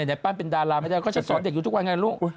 เธอเกิดไม่ดังก็นู๊นลู๊ก